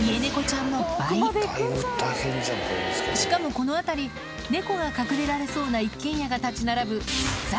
しかもこの辺り猫が隠れられそうな一軒家が立ち並ぶ